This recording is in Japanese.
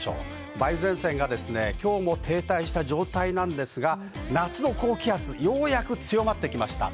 梅雨前線が停滞した状態なんですが、夏の高気圧、ようやく強まってきました。